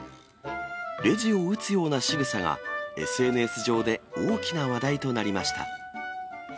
レジを打つようなしぐさが、ＳＮＳ上で大きな話題となりました。